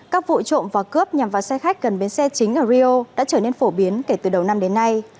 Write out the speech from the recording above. các vụ trộm và cướp nhằm vào xe khách gần bến xe chính ở rio đã trở nên phổ biến kể từ đầu năm đến nay